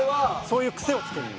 そういう癖をつける。